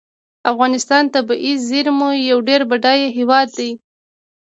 افغانستان د طبیعي زیرمو یو ډیر بډایه هیواد دی.